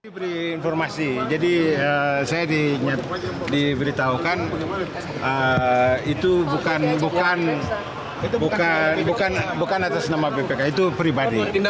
diberi informasi jadi saya diberitahukan itu bukan atas nama bpk itu pribadi